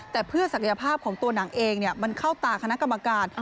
แต่เพื่อศักยภาพของตัวหนังเองมันเข้าตาคณะกรรมการ